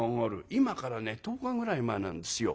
「今からね１０日ぐらい前なんですよ。